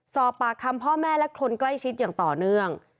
สอบปากคำพ่อแม่และคนใกล้ชิดอย่างต่อเนื่อง